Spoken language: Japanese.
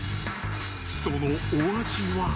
そのお味は。